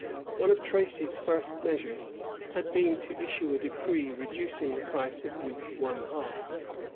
One of Tracy's first measures had been to issue a decree reducing the price of wheat one half.